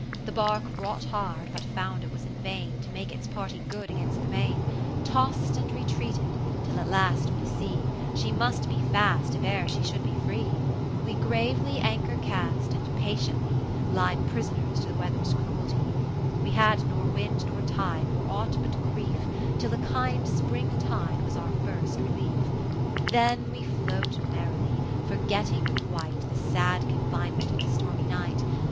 The barque wrought hard, but found it was in vain To make its party good against the main, Toss'd and retreated, till at last we see She must be fast if e'er she should be free. We gravely anchor cast, and pa tiently Lie prisoners to the weather's cruelty. We had nor wind nor tide, nor aught but grief, Till a kind spring tide was our first relief. 40 Then we float merrily, forgetting quite The sad confinement of the stormy night.